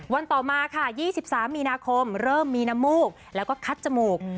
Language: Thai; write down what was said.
ต่อมาค่ะ๒๓มีนาคมเริ่มมีน้ำมูกแล้วก็คัดจมูก